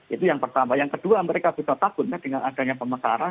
itu yang pertama yang kedua mereka sudah takut ya dengan adanya pemekaran